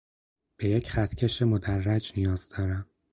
به یک خطکش مدرّج نیاز دارم